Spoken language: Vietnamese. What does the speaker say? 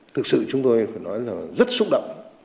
thực sự chúng tôi phải nói là rất xúc động